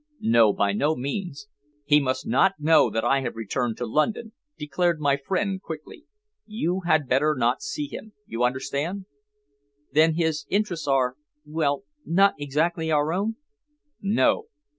"No; by no means. He must not know that I have returned to London," declared my friend quickly. "You had better not see him you understand." "Then his interests are well, not exactly our own?" "No."